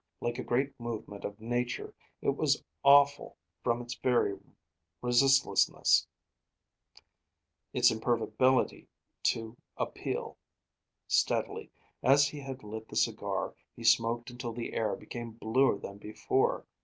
Like a great movement of Nature, it was awful from its very resistlessness; its imperviability to appeal. Steadily, as he had lit the cigar, he smoked until the air became bluer than before.